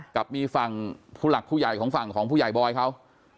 กับมีฝั่งผู้หลักผู้ใหญ่ของฝั่งของผู้ใหญ่บอยเขา